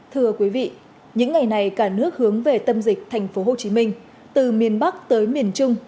thưa quý vị những ngày này cả nước hướng về tâm dịch thành phố hồ chí minh từ miền bắc tới miền trung